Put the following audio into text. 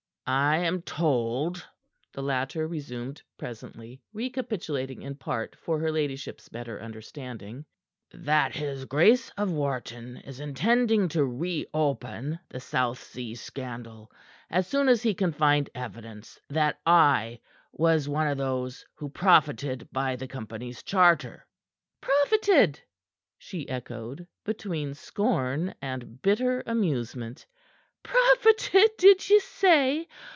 "I am told," the latter resumed presently, recapitulating in part for her ladyship's better understanding, "that his Grace of Wharton is intending to reopen the South Sea scandal, as soon as he can find evidence that I was one of those who profited by the company's charter." "Profited?" she echoed, between scorn and bitter amusement. "Profited, did ye say?